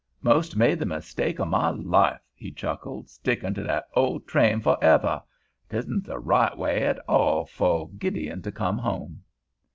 "'Most made the mistake of ma life," he chuckled, "stickin' to that ol' train foheveh. 'Tisn't the right way at, all foh Gideon to come home."